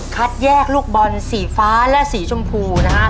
คัดแยกลูกบอลสีฟ้าและสีชมพูนะฮะ